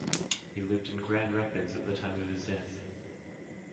He lived in Grand Rapids at the time of his death.